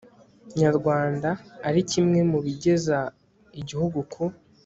nyarwanda ari kimwe mu bigeza igihugu ku